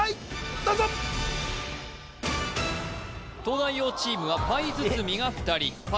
どうぞ東大王チームはパイ包みが２人えっ？